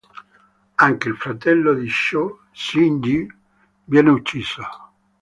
Anche il fratello di Sho, Shinji, viene ucciso.